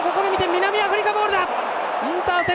南アフリカボールだ！